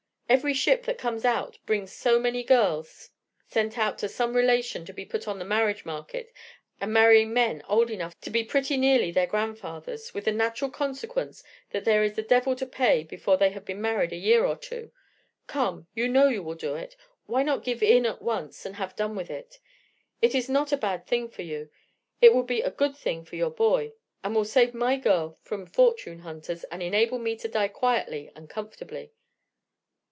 Every ship that comes out brings so many girls sent out to some relation to be put on the marriage market, and marrying men old enough to be pretty nearly their grandfathers, with the natural consequence that there is the devil to pay before they have been married a year or two. Come, you know you will do it; why not give in at once, and have done with it? It is not a bad thing for you, it will be a good thing for your boy, it will save my girl from fortune hunters, and enable me to die quietly and comfortably."